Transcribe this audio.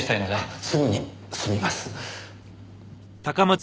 すぐに済みます。